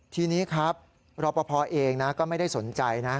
ทีนี้ครับรอปภเองนะก็ไม่ได้สนใจนะ